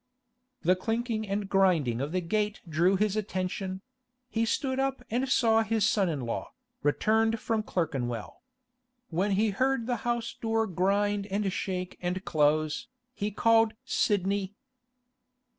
The clinking and grinding of the gate drew his attention; he stood up and saw his son in law, returned from Clerkenwell. When he had heard the house door grind and shake and close, he called 'Sidney!